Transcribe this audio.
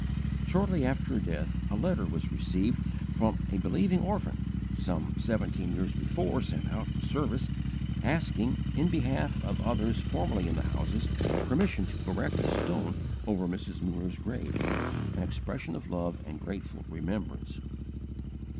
Shortly after her death, a letter was received from a believing orphan some seventeen years before sent out to service, asking, in behalf also of others formerly in the houses, permission to erect a stone over Mrs. Muller's grave as an expression of love and grateful remembrance.